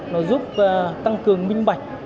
nó giúp tăng cường minh bạch